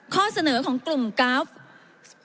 ข้อเสนอของกลุ่มกราฟ